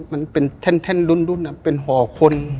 มันเป็นแท่นรุ่นเป็นห่อคน